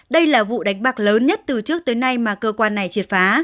đây là vụ đánh bạc lớn nhất từ trước tới nay mà cơ quan này triệt phá